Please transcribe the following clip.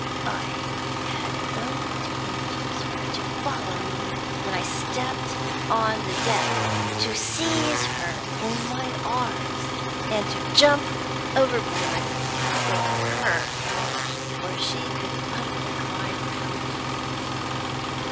I had only to induce her to follow me when I stepped on the deck, to seize her in my arms, and to jump overboard with her before she could utter a cry for help.